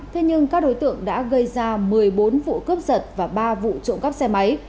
thế nhưng các đối tượng đã gây ra một mươi bốn vụ cướp giật và ba vụ trộm cắp xe máy